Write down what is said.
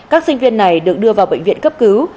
các sinh viên này được đưa vào bệnh viện cấp cứu